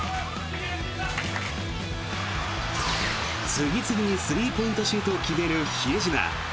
次々にスリーポイントシュートを決める比江島。